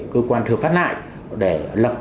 cơ quan thừa phát lại để lập